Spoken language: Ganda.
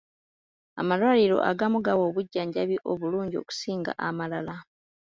Amalwaliro agamu gawa obujjanjabi obulungi okusinga amalala.